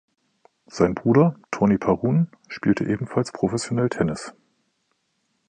Sein Bruder, Tony Parun, spielte ebenfalls professionell Tennis.